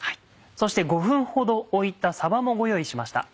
そして５分ほど置いたさばもご用意しました。